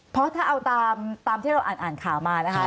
เพราะถ้าเอาตามที่เราอ่านข่าวมานะคะ